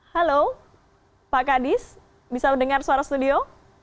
halo pak kadis bisa mendengar suara studio